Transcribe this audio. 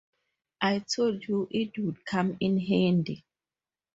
I told you it would come in handy.